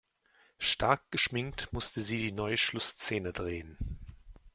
Stark geschminkt musste sie die neue Schlussszene drehen.